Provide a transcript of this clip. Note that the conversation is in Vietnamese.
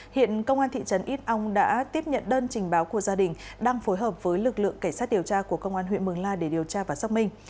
hiện công an thị trấn ít âu đã tiếp nhận đơn trình báo của gia đình đang phối hợp với lực lượng cảnh sát điều tra của công an huyện mường la để điều tra và xác minh